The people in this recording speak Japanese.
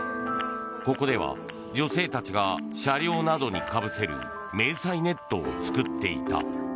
ここでは、女性たちが車両などにかぶせる迷彩ネットを作っていた。